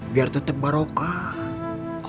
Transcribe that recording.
biar tetap barokah